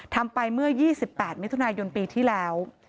ทำไปเมื่อ๒๘มิถุนายนปีที่แล้ว